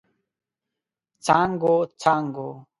څانګو، څانګو